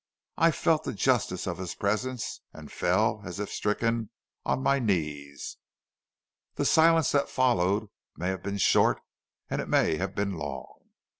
I felt the justice of his presence and fell, as if stricken, on my knees. "The silence that followed may have been short, and it may have been long.